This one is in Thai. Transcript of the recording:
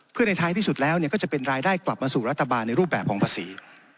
เพื่อในท้ายที่สุดแล้วก็จะเป็นรายได้กลับมาสู่รัฐบาลในรูปแบบของภาษี